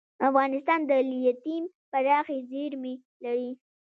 افغانستان د لیتیم پراخې زیرمې لري.